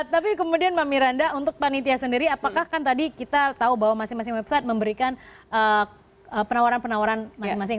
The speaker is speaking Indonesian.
tapi kemudian mbak miranda untuk panitia sendiri apakah kan tadi kita tahu bahwa masing masing website memberikan penawaran penawaran masing masing